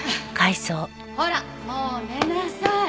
ほらもう寝なさい。